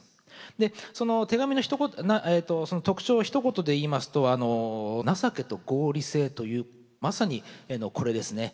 でその手紙の特徴をひと言で言いますと情けと合理性というまさにこれですね。